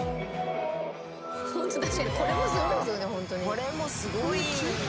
これもすごい。